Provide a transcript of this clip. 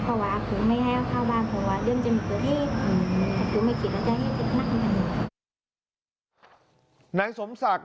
เขาห้ามคือไม่ให้เข้าบ้านเพราะว่าเรื่องจะมีตัวที่